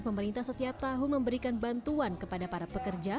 pemerintah setiap tahun memberikan bantuan kepada para pekerja